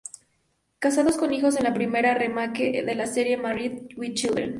Casados con hijos es la primera remake de la serie "Married with children".